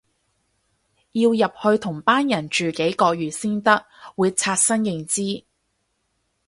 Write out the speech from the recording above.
要入去同班人住幾個月先得，會刷新認知